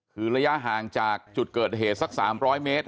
คือระยะห่างจากจุดเกิดเหตุสัก๓๐๐เมตร